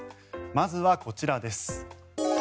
まずはこちらです。